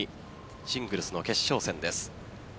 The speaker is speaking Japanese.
シングルスの決勝戦です。